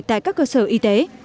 tại các cơ sở y tế